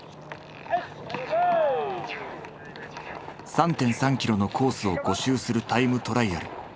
３．３キロのコースを５周するタイムトライアル。